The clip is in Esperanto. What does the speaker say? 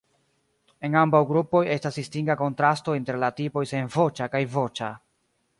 En ambaŭ grupoj estas distinga kontrasto inter la tipoj senvoĉa kaj voĉa.